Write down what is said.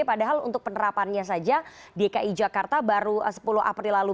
padahal untuk penerapannya saja dki jakarta baru sepuluh april lalu